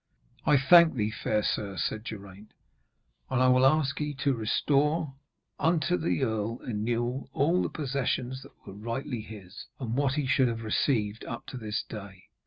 'I thank thee, fair sir,' said Geraint, 'and I will ask ye to restore unto the Earl Inewl all the possessions that were rightly his, and what he should have received up to this day.'